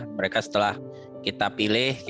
mereka setelah kita pilih